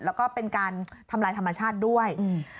แล้วก็เป็นการทำลายธรรมชาติด้วย